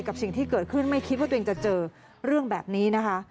กับสิ่งที่เกิดขึ้นไม่คิดว่าตัวเองจะเจอเรื่องแบบนี้นะคะ